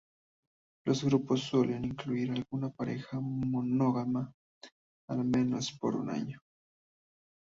Los grupos suelen incluir alguna pareja monógama, al menos por un año.